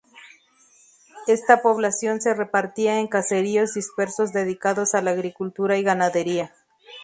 Esta población se repartía en caseríos dispersos dedicados a la agricultura y ganadería.